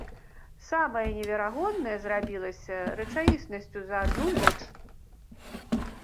Самае неверагоднае зрабілася рэчаіснасцю за адну ноч.